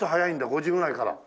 ５時ぐらいから。